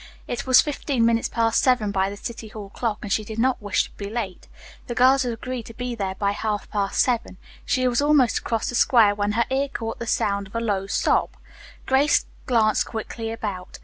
It was fifteen minutes past seven by the city hall clock, and she did not wish to be late. The girls had agreed to be there by half past seven. She was almost across the square when her ear caught the sound of a low sob. Grace glanced quickly about.